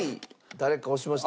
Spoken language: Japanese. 誰か押しました。